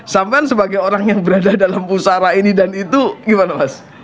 sampai sebagai orang yang berada dalam pusara ini dan itu gimana mas